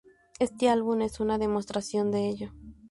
Este álbum es una demostración de ello.